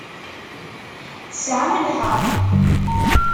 Tesɛam lḥeqq.